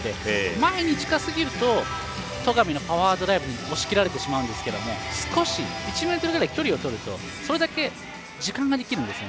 前に近すぎると戸上のパワードライブに押し切られてしまうんですけど少し１ｍぐらい距離をとるとそれだけ時間ができるんです。